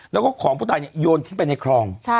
แล้วก็ของผู้ตายโยนทิ้งไปในคลอง